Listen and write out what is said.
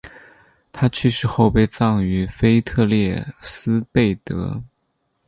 他去世后被葬于腓特烈斯贝的。